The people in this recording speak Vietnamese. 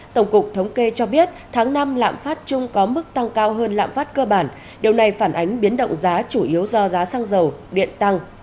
tổng cục thống kê cho biết tháng năm lạm phát chung có mức tăng cao hơn lạm phát cơ bản điều này phản ánh biến động giá chủ yếu do giá xăng dầu điện tăng